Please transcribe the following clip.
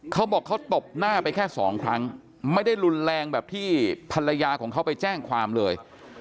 เขาบอกเขาตบหน้าไปแค่สองครั้งไม่ได้รุนแรงแบบที่ภรรยาของเขาไปแจ้งความเลย